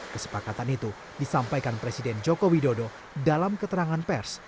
kesepakatan itu disampaikan presiden joko widodo dalam keterangan pers